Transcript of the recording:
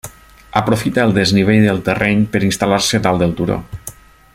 Aprofita el desnivell de terreny per instal·lar-se dalt del turó.